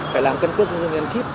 phải làm cân cước dân dân chít